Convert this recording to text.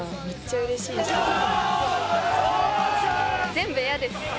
全部嫌です。